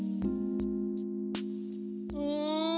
うん。